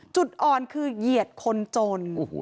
จุดอ่อนคือเหยียดคนจน